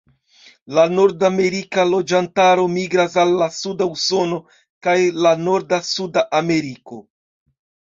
La nordamerika loĝantaro migras al la suda Usono kaj la norda Suda Ameriko.